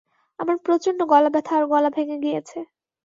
আমার প্রচন্ড গলা ব্যথা আর গলা ভেঙ্গে গিয়েছে।